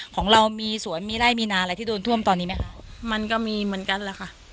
ของเรามีสวนมีไร่มีนาอะไรที่โดนท่วมตอนนี้ไหมคะมันก็มีเหมือนกันแหละค่ะ